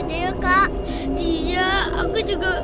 iya aku juga